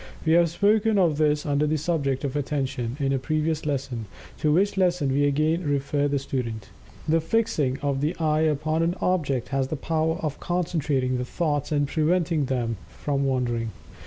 We have spoken of this under the subject of Attention, in a previous lesson, to which lesson we again refer the student. The fixing of the eye upon an object has the power of concentrating the thoughts and preventing them from wandering.